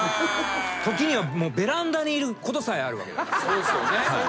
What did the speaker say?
時にはベランダにいることさえあるわけだから。